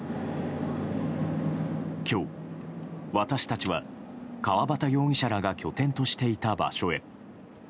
今日、私たちは、川端容疑者らが拠点としていた場所へ。